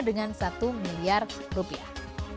dengan satu miliar rupiah